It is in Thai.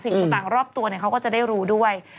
สิ่งต่างรอบตัวเขาก็จะได้รู้ด้วย